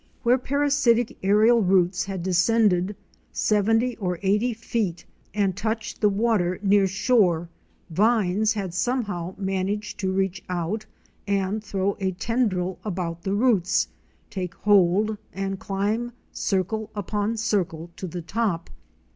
Where parasitic aérial roots had descended seventy or eighty feet and touched the water near shore, vines had somehow managed to reach out and throw a tendril about the roots, take hold and climb circle upon circle to the top.